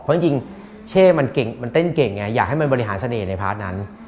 เพราะจริงเช่มันเก่งมันเต้นเก่งไงอยากให้มันบริหารเสน่ห์ในพาร์ทนั้น